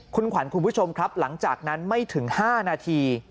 คุณขวัญคุณผู้ชมครับหลังจากนั้นไม่ถึง๕นาที